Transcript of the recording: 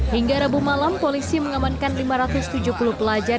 hingga rabu malam polisi mengamankan lima ratus tujuh puluh pelajar